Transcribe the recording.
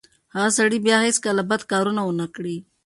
هغه سړی به بیا هیڅکله بد کار ونه کړي.